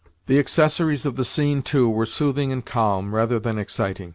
The accessories of the scene, too, were soothing and calm, rather than exciting.